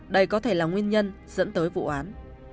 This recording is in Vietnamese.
đây có thể là nguyên nhân dẫn tới vụ án